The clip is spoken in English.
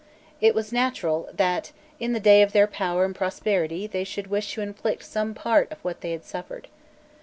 It was natural that in the day of their power and prosperity they should wish to inflict some part of what they had suffered.